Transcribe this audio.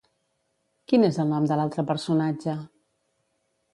Quin és el nom de l'altre personatge?